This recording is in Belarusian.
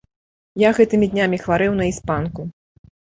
Я гэтымі днямі хварэў на іспанку.